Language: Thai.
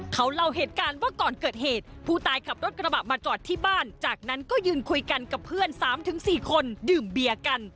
เขาเล่าเหตุการณ์ว่าก่อนเกิดเหตุผู้ตายขับรถกระบะมาจอดที่บ้านจากนั้นก็ยืนคุยกันกับเพื่อน๓๔คนดื่มเบียร์กัน